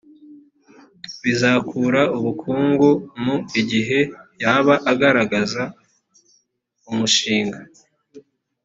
bizakura ubukungu mu gihe yaba agaragaza umushinga